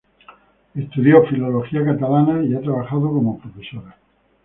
Estudió filología catalana y ha trabajado como profesora.